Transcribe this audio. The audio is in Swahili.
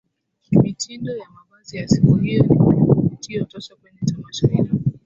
Mitindo ya mavazi ya siku hiyo ni kivutio tosha kwenye Tamasha hilo